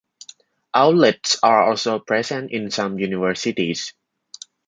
Outlets are also present in some universities.